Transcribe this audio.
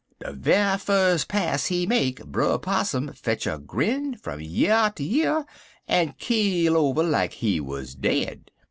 De ve'y fus pas he make Brer Possum fetch a grin fum year ter year, en keel over like he wuz dead.